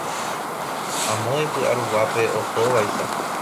Amo ipyʼa ruguápe osóvaicha.